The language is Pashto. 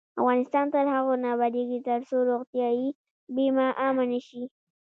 افغانستان تر هغو نه ابادیږي، ترڅو روغتیايي بیمه عامه نشي.